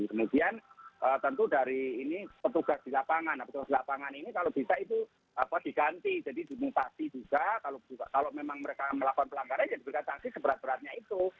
kemudian tentu dari ini petugas di lapangan nah petugas di lapangan ini kalau bisa itu diganti jadi dimutasi juga kalau memang mereka melakukan pelanggaran ya diberikan sanksi seberat beratnya itu